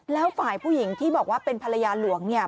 แล้วฝ่ายผู้หญิงที่บอกว่าเป็นภรรยาหลวง